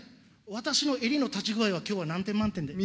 私の襟の立ち具合はきょうは何点満点？